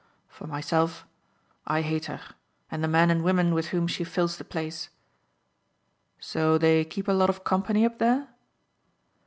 For myself I hate her and the men and women with whom she fills the place." "So they keep a lot of company up there?"